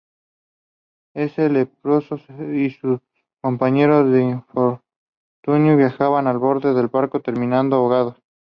Ese leproso y sus compañeros de infortunio viajaban a bordo del barco, terminando ahogados.